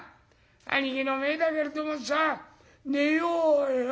兄貴の前だけれどもさ『寝ようよ』